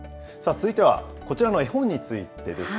続いては、こちらの絵本についてです。